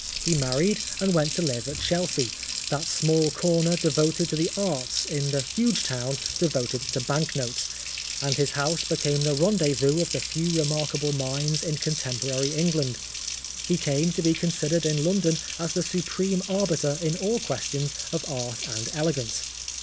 He married and went to live at Chelsea, that small corner devoted to the arts in the huge town devoted to bank notes, and his house became the rendezvous of the few remarkable minds in contemporary Eng land. He came to be considered in London as the supreme arbiter in all questions of art and elegance.